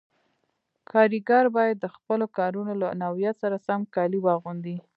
کاریګر باید د خپلو کارونو له نوعیت سره سم کالي واغوندي.